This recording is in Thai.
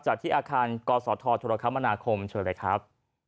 จากที่อาคารกศธธคมช่วยเลยครับ